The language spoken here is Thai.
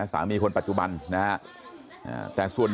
ชาวบ้านในพื้นที่บอกว่าปกติผู้ตายเขาก็อยู่กับสามีแล้วก็ลูกสองคนนะฮะ